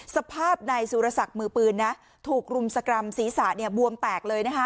สภาพในสุรสักมือปืนนะถูกรุมสกรรมศีรษะเนี้ยบวงแตกเลยนะคะ